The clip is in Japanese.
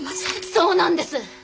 そうなんです。